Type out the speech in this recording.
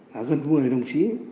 là dân người đồng chí